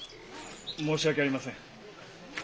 申し訳ありません。